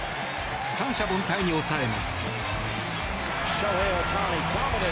三者凡退に抑えます。